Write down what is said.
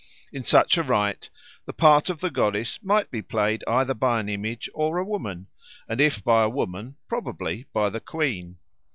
In such a rite the part of the goddess might be played either by an image or a woman, and if by a woman, probably by the Queen.